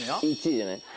１位じゃない？